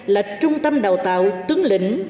là trung tâm đào tạo tướng lệnh